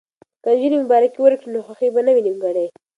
که نجونې مبارکي ورکړي نو خوښي به نه وي نیمګړې.